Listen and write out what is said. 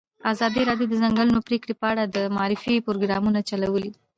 ازادي راډیو د د ځنګلونو پرېکول په اړه د معارفې پروګرامونه چلولي.